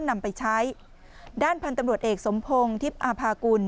นำไปใช้ด้านพันธุ์ตำรวจเอกสมพงศ์ทิพย์อาภากุล